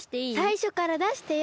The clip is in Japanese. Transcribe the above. さいしょからだしてよ。